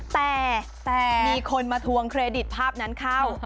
แต่มีคนมาทวงเครดิตภาพนั้นเข้า